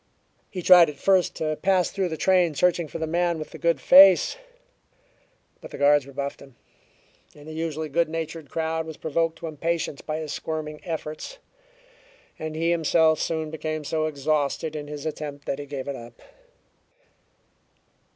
He tried at first to pass through the train searching for the man with the "good face," but the guards rebuffed him, and the usually good natured crowd was provoked to impatience by his squirming efforts; and he himself soon became so exhausted in his attempt that he gave it up.